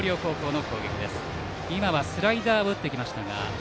今のはスライダーを打ってきました。